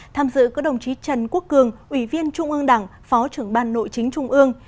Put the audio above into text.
tham dự có đồng chí trần quốc cường ủy viên trung ương đảng phó trưởng ban nội chính trung ương